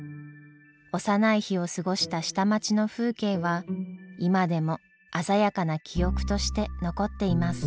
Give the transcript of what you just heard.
幼い日を過ごした下町の風景は今でも鮮やかな記憶として残っています。